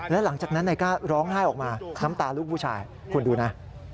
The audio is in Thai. แล้วหลังจากนั้นนายก้าร้องไห้ออกมาน้ำตาลูกผู้ชายคุณดูนะ